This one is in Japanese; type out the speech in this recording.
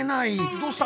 どうした？